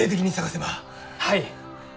はい！